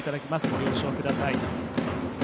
ご了承ください。